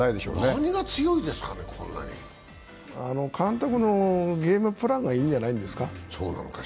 何が強いですかね、こんなに監督のゲームプランがいいんじゃないですか。